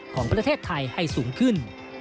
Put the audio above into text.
ของประเทศไทยให้สูงขึ้น